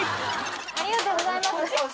ありがとうございます。